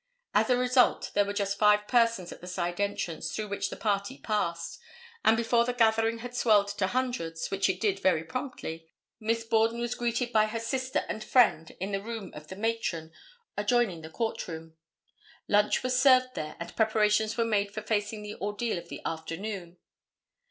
As a result there were just five persons at the side entrance through which the party passed, and before the gathering had swelled to hundreds, which it did very promptly, Miss Borden was greeting her sister and friend in the room of the matron, adjoining the court room. Lunch was served there and preparations were made for facing the ordeal of the afternoon.